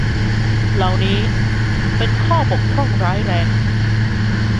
เหล่านี้เป็นข้อบกพร่องร้ายแรง